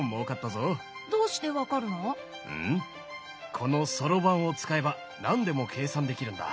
このソロバンを使えば何でも計算できるんだ。